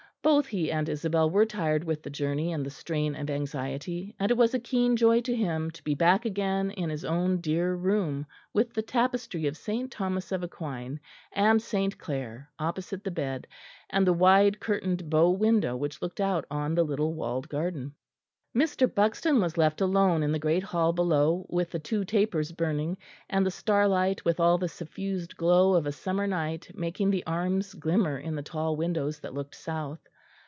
Both he and Isabel were tired with the journey and the strain of anxiety, and it was a keen joy to him to be back again in his own dear room, with the tapestry of St. Thomas of Aquin and St. Clare opposite the bed, and the wide curtained bow window which looked out on the little walled garden. Mr. Buxton was left alone in the great hall below with the two tapers burning, and the starlight with all the suffused glow of a summer night making the arms glimmer in the tall windows that looked south.